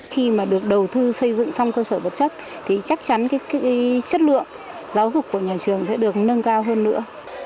khi mà được đầu tư xây dựng xong cơ sở vật chất thì chắc chắn chất lượng giáo dục của nhà trường sẽ được nâng cao hơn nữa